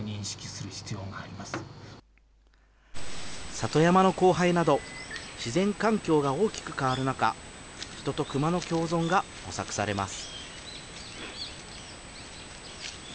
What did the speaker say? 里山の荒廃など、自然環境が大きく変わる中、人とクマの共存が模索されます。